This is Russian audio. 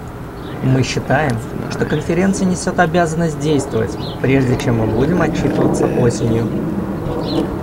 Мы считаем, что Конференция несет обязанность действовать, прежде чем мы будем отчитываться осенью.